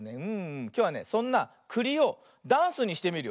きょうはねそんなくりをダンスにしてみるよ。